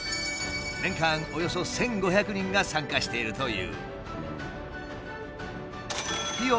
年間およそ１，５００人が参加しているという。